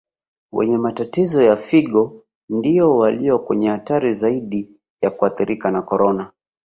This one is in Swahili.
Wenye matatizo ya Figo ndiyo walio kwenye hatari zaidi ya kuathirika na Corona